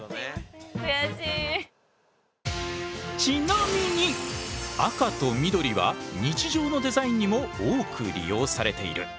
ちなみに赤と緑は日常のデザインにも多く利用されている。